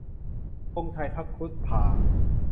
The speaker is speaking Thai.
ธงชัยพระครุฑพ่าห์